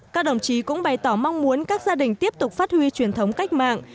các đồng chí cũng bày tỏ mong muốn các gia đình tiếp tục phát huy truyền thống cách mạng